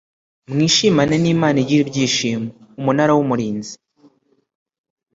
mwishimane n imana igira ibyishimo umunara w umurinzi